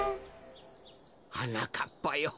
はなかっぱよ。